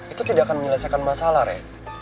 itu tidak akan menyelesaikan masalah rey